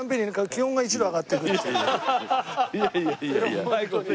いやいやいやいや。